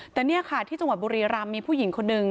แต่นี่ค่ะที่จังหวัดบุรีรำมีผู้หญิงคนนึง